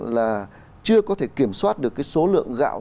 là chưa có thể kiểm soát được cái số lượng gạo